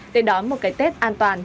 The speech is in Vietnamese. để đón một cái tết an toàn